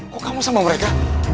kok kamu sama mereka